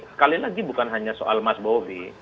sekali lagi bukan hanya soal mas bobi